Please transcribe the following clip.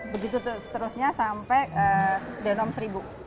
begitu seterusnya sampai denom seribu